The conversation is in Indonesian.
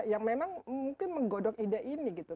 yang memang mungkin menggodok ide ini gitu